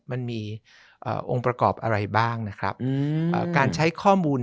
มันมีองค์ประกอบอะไรบ้างนะครับการใช้ข้อมูล